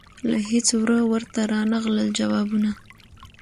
له هیڅ وره ورته رانغلل جوابونه